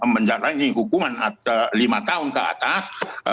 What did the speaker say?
menjalani hukuman lima tahun ke atas